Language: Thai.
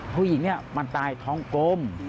ผู้หญิงเนี่ยมันตายท้องกลม